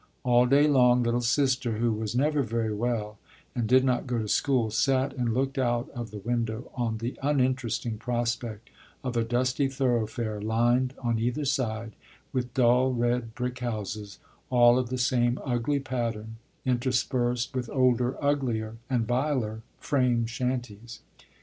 All day long "little sister," who was never very well and did not go to school, sat and looked out of the window on the uninteresting prospect of a dusty thoroughfare lined on either side with dull red brick houses, all of the same ugly pattern, interspersed with older, uglier, and viler frame shanties.